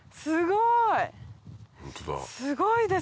すごい！